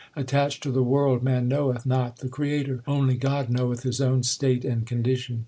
Attached to the world man knoweth not the Creator : Only God knoweth His own state and condition.